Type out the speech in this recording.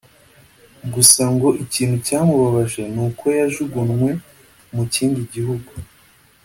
Gusa ngo ikintu cyamubabaje ni uko yajugunwe mu kindi gihugu